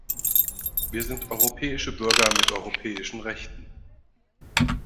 Wir sind europäische Bürger mit europäischen Rechten.